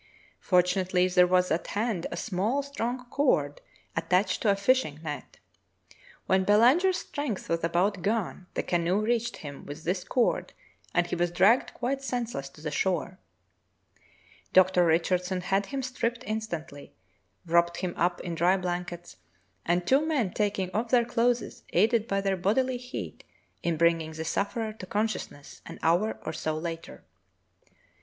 Fortunately there was at hand a small, strong cord attached to a fishing net. When Belanger's strength was about gone the canoe reached him with this cord and he was dragged quite senseless to the shore. Dr. Richardson had him stripped instantly, wrapped him up in dry blankets, and two men taking off their clothes aided by their bodil}^ heat in bringing the sufferer to consciousness an hour or so later.